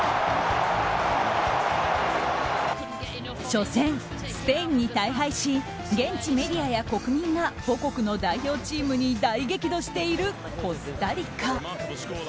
初戦、スペインに大敗し現地メディアや国民が母国の代表チームに大激怒しているコスタリカ。